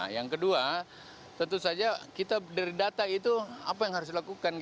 yang kedua tentu saja kita dari data itu apa yang harus dilakukan